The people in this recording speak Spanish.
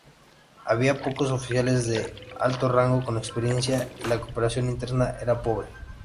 Había pocos oficiales de alto rango con experiencia y la cooperación interna era pobre.